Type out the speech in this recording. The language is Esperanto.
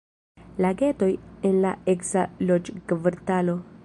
Lagetoj en la eksa loĝkvartalo.